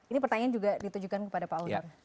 ini pertanyaan juga ditujukan kepada pak aldi